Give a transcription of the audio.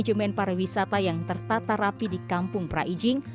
manajemen pariwisata yang tertata rapi di kampung praijing